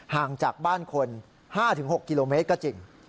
ห่างจากบ้านคน๕๖กิโลเมตรก็จริง